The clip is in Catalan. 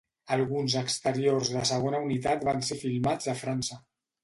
Alguns exteriors de segona unitat van ser filmats a França.